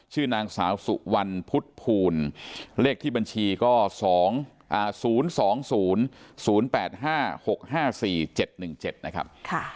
ชื่อนางสาวสุวรรณพุทธภูลเลขที่บัญชีก็๒๐๒๐๐๘๕๖๕๔๗๑๗นะครับ